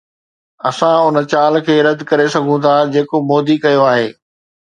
اسان ان چال کي رد ڪري سگهون ٿا جيڪو مودي ڪيو آهي.